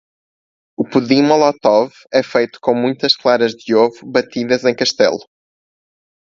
O pudim molotov é feito com muitas claras de ovo batidas em castelo.